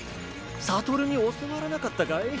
悟に教わらなかったかい？